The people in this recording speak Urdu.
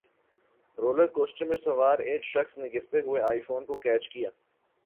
رولر کوسٹرمیں سوار ایک شخص نے گرتے ہوئے آئی فون کو کیچ کیا